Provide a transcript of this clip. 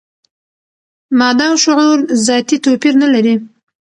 ماده او شعور ذاتي توپیر نه لري.